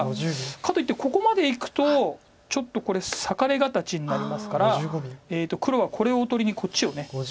かといってここまでいくとちょっとこれ裂かれ形になりますから黒はこれをおとりにこっちを攻めちゃいますので。